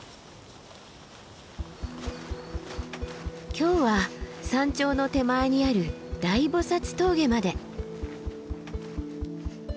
今日は山頂の手前にある大菩峠まで。